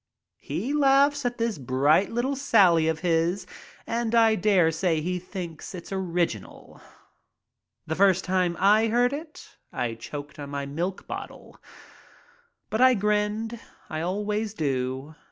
He laughs at this bright little sally of his and I dare say he thinks it original. The first time I heard it I choked on my milk bottle. But I grinned. I always do.